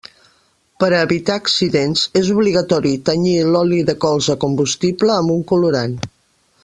Per a evitar accidents és obligatori tenyir l'oli de colza combustible amb un colorant.